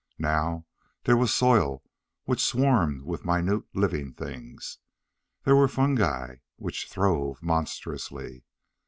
Now there was soil which swarmed with minute living things. There were fungi which throve monstrously.